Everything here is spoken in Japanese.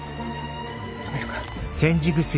飲めるか。